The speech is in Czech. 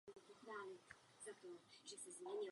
V Evropě zuří první světová válka.